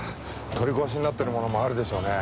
取り壊しになってるものもあるでしょうね。